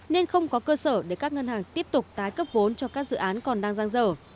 nên không có cơ sở để các ngân hàng tiếp tục tái cấp vốn cho các dự án còn đang giang dở